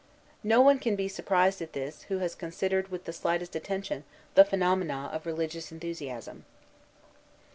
No one can be surprised at this who has considered with the slightest attention the phenomena of religious enthusiasm.